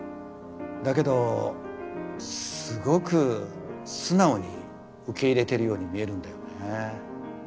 だけどすごく素直に受け入れてるように見えるんだよね。